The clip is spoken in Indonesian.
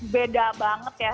beda banget ya